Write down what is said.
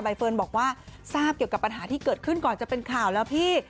เฟิร์นบอกว่าทราบเกี่ยวกับปัญหาที่เกิดขึ้นก่อนจะเป็นข่าวแล้วพี่